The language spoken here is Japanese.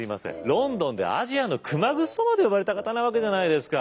ロンドンで「アジアの熊楠」とまで呼ばれた方なわけじゃないですか。